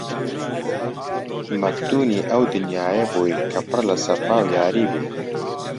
مەفتونی ئەو دنیایە بووی کە پڕ لە سەفا و یاری بێ!